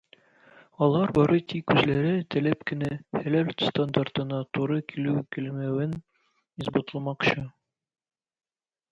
Алар бары тик үзләре теләп кенә "хәләл" стандартына туры килү-килмәвен исбатламакчы.